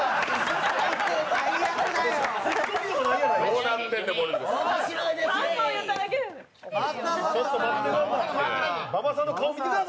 どうなってんねん。